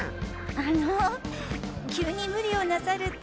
あの急にムリをなさると。